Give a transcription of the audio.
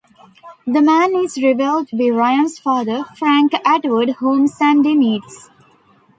The man is revealed to be Ryan's father, Frank Atwood, whom Sandy meets.